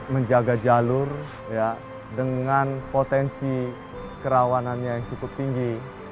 menjaga jalur dengan potensi kerawanannya yang cukup tinggi